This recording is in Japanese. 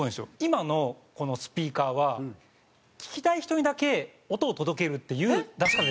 今のスピーカーは聴きたい人にだけ音を届けるっていう出し方できるんですよ。